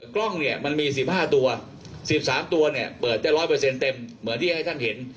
กล้องเนี่ยมันมี๑๕ตัว๑๓ตัวเนี่ยเปิดได้๑๐๐เต็มเหมือนที่ให้ท่านเห็น